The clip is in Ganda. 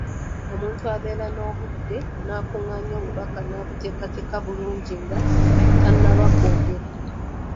Omuntu abeera n’obudde n’akungaanya obubaka n’abuteekateeka bulungi nga tannaba kwogera.